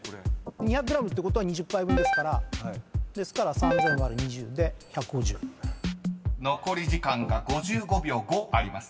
２００ｇってことは２０杯分ですから３，０００÷２０で「１５０」［残り時間が５５秒５あります］